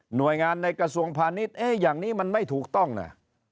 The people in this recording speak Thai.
หน่วยงานในกระทรวงพาณิชย์อย่างนี้มันไม่ถูกต้องนะ